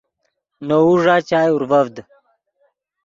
نے وؤ ݱا چائے اورڤڤد